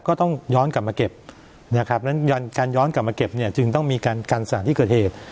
ก็ต้องย้อนกลับมาเก็บนะครับนั้นการย้อนกลับมาเก็บเนี่ยจึงต้องมีการกันสถานที่เกิดเหตุ